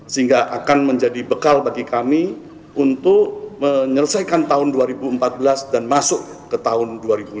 sehingga akan menjadi bekal bagi kami untuk menyelesaikan tahun dua ribu empat belas dan masuk ke tahun dua ribu lima belas